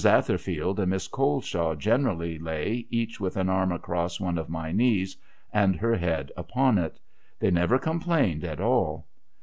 Aiherfield and Miss Coleshaw generally lay, each with an arm across one of my knees, and her head upon it. They never complained at all.